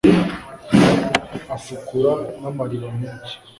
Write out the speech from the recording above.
afukura n'amariba menshi